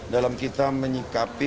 dalam kita menyikapi